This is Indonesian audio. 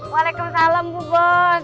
waalaikumsalam bu bos